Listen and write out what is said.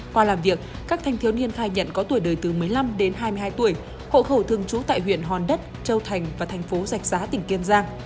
qua làm việc các thanh thiếu niên khai nhận có tuổi đời từ một mươi năm đến hai mươi hai tuổi hộ khẩu thường trú tại huyện hòn đất châu thành và thành phố giạch giá tỉnh kiên giang